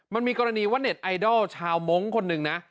มันมีกรณีว่าเน็ตไอดอลชาวมงค์คนหนึ่งนะ